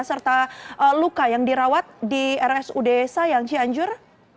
serta luka yang dirawat di rsu desa yang cianjur